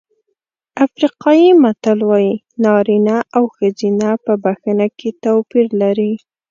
افریقایي متل وایي نارینه او ښځه په بښنه کې توپیر لري.